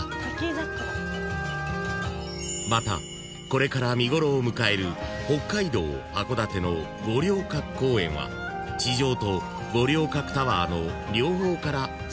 ［またこれから見頃を迎える北海道函館の五稜郭公園は地上と五稜郭タワーの両方から桜を楽しめると大人気］